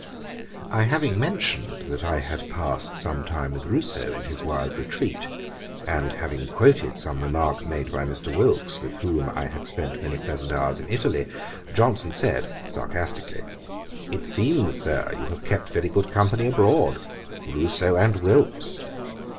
I having mentioned that I had passed some time with Rousseau in his wild retreat, and having quoted some remark made by Mr. Wilkes, with whom I had spent many pleasant hours in Italy, Johnson said (sarcastically,) 'It seems, Sir, you have kept very good company abroad, Rousseau and Wilkes!'